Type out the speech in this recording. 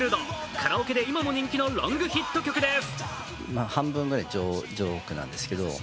カラオケで今も人気のロングヒット曲です。